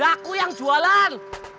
aku yang jualan